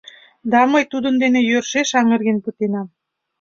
— Да мый тудын дене йӧршеш аҥырген пытенам.